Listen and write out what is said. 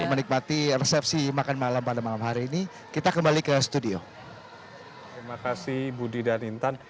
menikmati resepsi makan malam pada malam hari ini kita kembali ke studio terima kasih budi dan intan